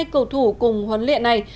một mươi hai cầu thủ cùng huấn luyện này